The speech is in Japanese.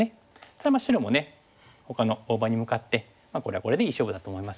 白もねほかの大場に向かってこれはこれでいい勝負だと思いますけども。